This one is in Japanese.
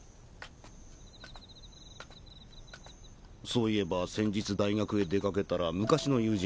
そういえば先日大学へ出掛けたら昔の友人に会ってね